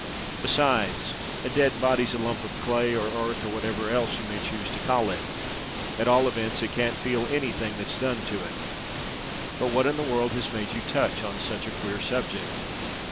"Besides, a dead body's a lump of clay, or earth—or whatever else you may choose to call it: at all events it can't feel any thing that's done to it. But what in the world has made you touch on such a queer subject?"